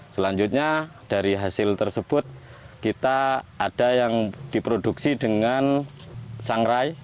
selanjutnya dari hasil tersebut kita ada yang diproduksi dengan sangrai